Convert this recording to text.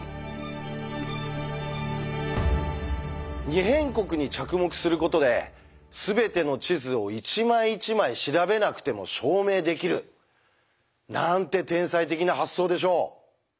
「二辺国」に着目することで全ての地図を一枚一枚調べなくても証明できるなんて天才的な発想でしょう。